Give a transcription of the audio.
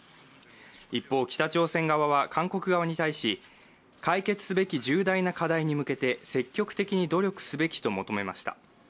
一方、北朝鮮側は韓国側に対し解決すべき重大な課題に向けて積極的に努力すべきと求めました。